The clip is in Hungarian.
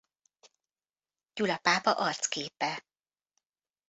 Gyula pápa arcképe.